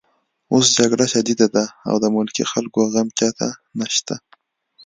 اوس جګړه شدیده ده او د ملکي خلکو غم چاته نشته